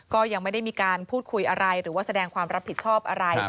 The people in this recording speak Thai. ก็ยังไม่ได้มีการพูดคุยอะไรหรือว่าแสดงความรับผิดชอบอะไร